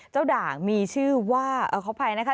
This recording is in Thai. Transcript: ด่างมีชื่อว่าขออภัยนะคะ